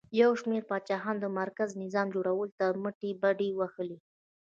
یو شمېر پاچاهانو د مرکزي نظام جوړولو ته مټې بډ وهلې